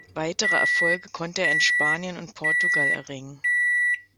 Weitere Erfolge konnte er in Spanien und Portugal erringen.